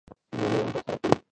ايمان ور سره ګډېږي.